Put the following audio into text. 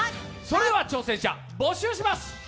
それでは挑戦者募集します。